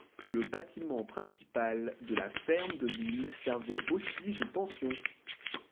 Le bâtiment principal de la ferme de l'île servait aussi de pension.